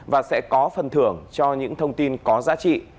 và sẽ có phần thưởng cho những thông tin có giá trị